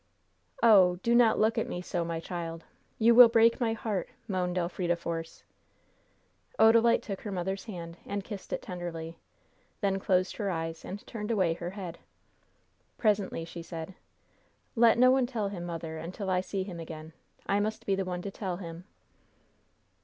"Oh, do not look at me so, my child! You will break my heart!" moaned Elfrida Force. Odalite took her mother's hand and kissed it tenderly; then closed her eyes and turned away her head. Presently she said: "Let no one tell him, mother, until I see him again. I must be the one to tell him."